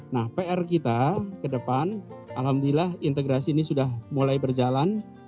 nah pr kita ke depan alhamdulillah integrasi ini sudah mulai berjalan